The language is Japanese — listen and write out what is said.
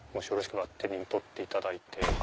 手に取っていただいて。